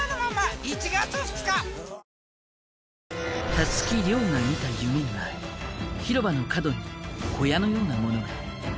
たつき諒が見た夢には広場の角に小屋のようなものが。